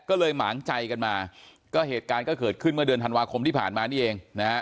ก็เลยหมางใจกันมาก็เหตุการณ์ก็เกิดขึ้นเมื่อเดือนธันวาคมที่ผ่านมานี่เองนะฮะ